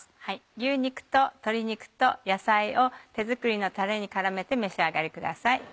牛肉と鶏肉と野菜を手作りのたれに絡めて召し上がりください。